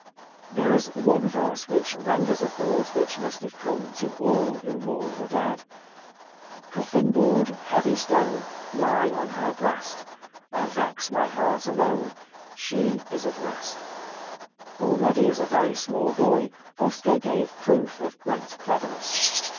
There is one verse which renders a thought which must have come to all who mourn the dead :—" Coffinboard, heavy stone, Lie on her breast. I vex my heart alone ; She is at rest." Already as a very small boy Oscar gave proof of great cleverness.